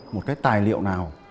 một cái tài liệu nào